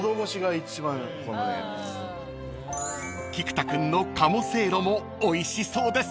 ［菊田君の鴨せいろもおいしそうです］